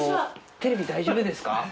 テレビ大丈夫ですか？